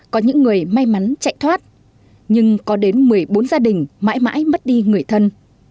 có những người may mắn chạy thoát nhưng có đến một mươi bốn gia đình mãi mãi mất đi người thân